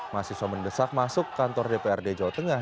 mahasiswa mendesak masuk kantor dprd jawa tengah